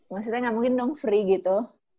maksudnya gak mungkin dong free gitu